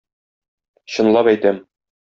Чынлап әйтәм.